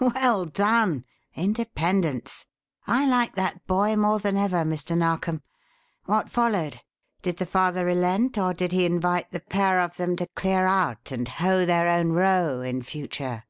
"Well done, independence! I like that boy more than ever, Mr. Narkom. What followed? Did the father relent, or did he invite the pair of them to clear out and hoe their own row in future?"